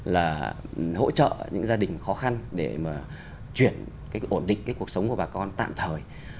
là hỗ trợ những gia đình khó khăn để mà chuyển cái ổn định cái cuộc sống của bà con tạm thời